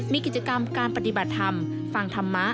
มีกิจกรรมการปฏิบัติธรรมฟังธรรมะ